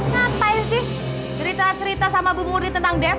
ngapain sih cerita cerita sama bu murni tentang dev